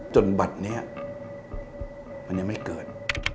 จนบัตรนี้มันยังไม่เกิด